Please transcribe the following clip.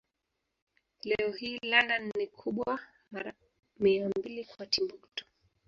Leo hii London ni kubwa mara mia mbili kwa Timbuktu